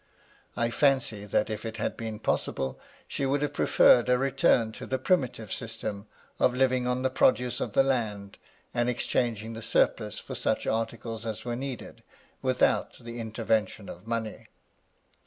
I fancy that if it had been possible, she would have preferred a retum to the primitive system, of living on the produce of the land, and exchanging the surplus for such articles as were needed, without the intervention of money.